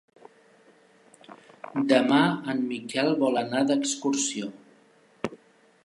Demà en Miquel vol anar d'excursió.